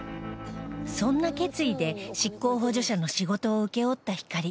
そんな決意で執行補助者の仕事を請け負ったひかり